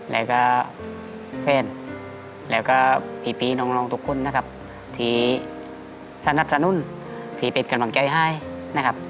แล้วก็เพื่อนแล้วก็พี่น้องทุกคนนะครับที่สนับสนุนที่เป็นกำลังใจให้นะครับ